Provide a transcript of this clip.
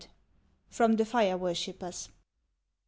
FROM "THE FIRE WORSHIPPERS."